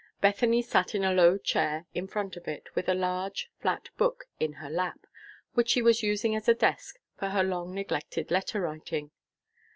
Bethany sat in a low chair in front of it, with a large, flat book in her lap, which she was using as a desk for her long neglected letter writing.